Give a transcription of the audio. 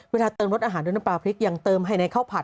เติมรสอาหารด้วยน้ำปลาพริกยังเติมให้ในข้าวผัด